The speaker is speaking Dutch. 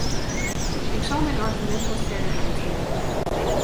Ik zal mijn argument wat verder uitwerken.